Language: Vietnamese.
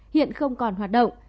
hiện không còn hoạt động